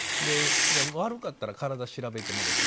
悪かったら体調べてもらえって。